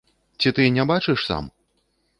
Ці ты не бачыш сам?